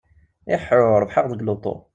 Iḥḥu! Rebḥeɣ deg luṭu.